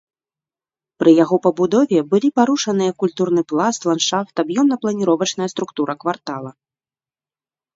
Пры яго пабудове былі парушаныя культурны пласт, ландшафт, аб'ёмна-планіровачная структура квартала.